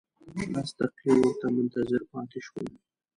لس دقیقې ورته منتظر پاتې شوم.